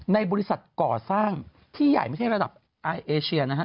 ในบริษัทก่อสร้างที่ใหญ่ไม่ใช่ระดับเอเชียนะฮะ